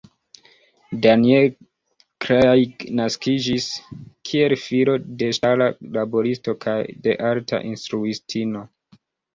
Daniel Craig naskiĝis kiel filo de ŝtala laboristo kaj de arta instruistino.